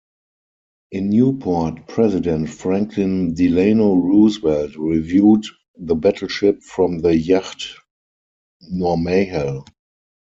In Newport, President Franklin Delano Roosevelt reviewed the battleship from the yacht "Nourmahal".